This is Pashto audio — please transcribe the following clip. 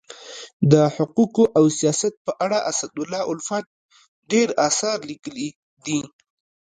د حقوقو او سیاست په اړه اسدالله الفت ډير اثار لیکلي دي.